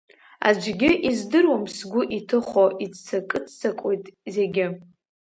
Аӡәгьы издыруам сгәы иҭыхо, иццакы-ццакуеит зегьы.